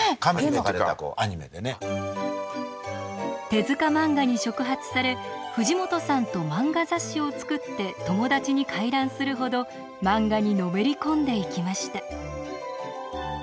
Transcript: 手漫画に触発され藤本さんと漫画雑誌を作って友達に回覧するほど漫画にのめり込んでいきました。